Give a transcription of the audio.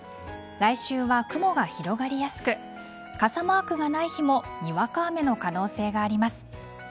来週は雲が広がりやすく傘マークがない日もにわか雨の可能性があります。